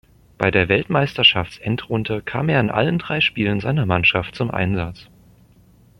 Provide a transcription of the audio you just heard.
Bei der Weltmeisterschaftsendrunde kam er in allen drei Spielen seiner Mannschaft zum Einsatz.